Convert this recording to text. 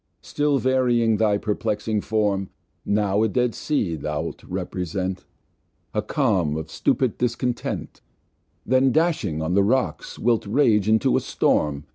Still varying thy perplexing Form, Now a Dead Sea thou'lt represent, A Calm of stupid Discontent, Then, dashing on the Rocks wilt rage into a Storm.